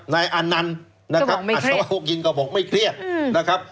นายอันนั้นนะครับก็บอกไม่เครียดก็บอกไม่เครียดนะครับ